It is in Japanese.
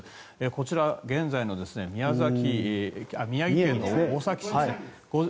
こちら現在の宮城県の大崎市ですね。